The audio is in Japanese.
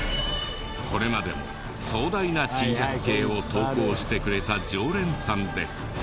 これまでも壮大な珍百景を投稿してくれた常連さんで。